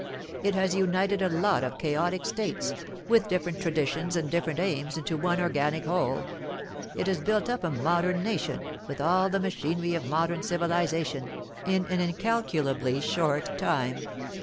It has united a lot of chaotic states, with different traditions and different aims, into one organic whole; it has built up a modern nation, with all the machinery of modern civilization, in an incalculably short time.